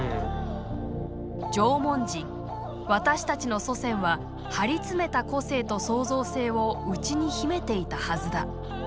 「縄文人私たちの祖先は張り詰めた個性と創造性を内に秘めていたはずだ」。